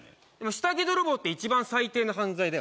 下着泥棒って一番最低な犯罪だよね